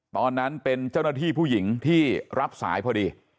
ตอนนั้นเป็นเจ้าหน้าที่ผู้หญิงที่รับสายพอดี